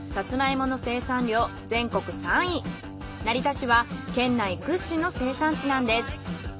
成田市は県内屈指の生産地なんです。